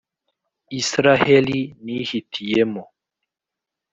israheli, nihitiyemo.